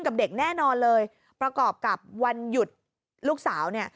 กับเด็กแน่นอนเลยประกอบกับวันหยุดลูกสาวเนี่ย